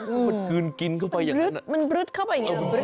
มันคืนกินเข้าไปอย่างนั้น